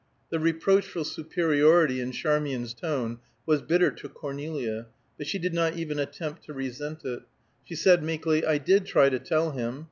The reproachful superiority in Charmian's tone was bitter to Cornelia, but she did not even attempt to resent it. She said meekly, "I did try to tell him.